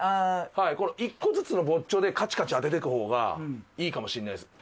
この１個ずつのぼっちょでカチカチ当てていく方がいいかもしれないです。